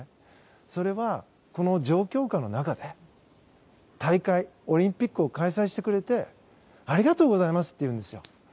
それは、この状況下の中で大会、オリンピックを開催してくれてありがとうございますって言うんですよ。